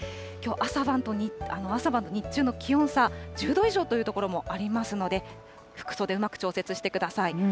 きょうは朝晩の日中の気温差、１０度以上という所もありますので、服装でうまく調節してください。